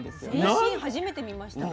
全身初めて見ました。